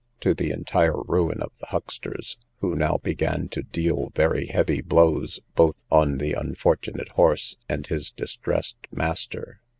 to the entire ruin of the hucksters, who now began to deal very heavy blows, both on the unfortunate horse and his distressed master.